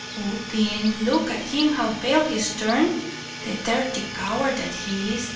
Oh, thin, look at him how pale he's turned, the dirty coward that he is.